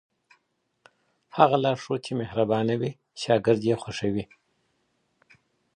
هغه لارښود چي مهربانه وي شاګردان یې خوښوي.